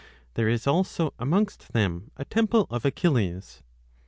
There is also amongst them a temple of Achilles.